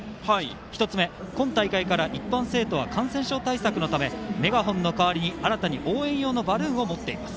１つ目、今大会から一般生徒は感染症対策のためメガホンの代わりに新たに応援用のバルーンを持っています。